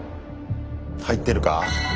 入ってるか？